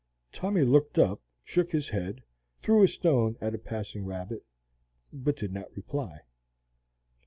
Tommy looked up, shook his head, threw a stone at a passing rabbit, but did not reply.